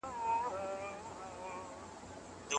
هغه وویل چي ښکلا ییز حس د څېړونکي صفت دی.